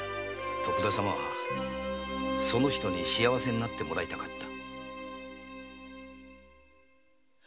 徳田様はその女に幸せになってもらいたかった